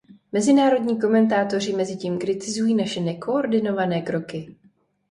Mezinárodní komentátoři mezitím kritizují naše nekoordinované kroky.